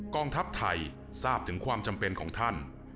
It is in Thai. กองทัพไทยทราบถึงความจำเป็นของท่าน